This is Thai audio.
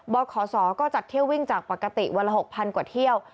บขศก็จัดเที่ยววิ่งจากปกติวันละ๖๐๐กว่าเที่ยว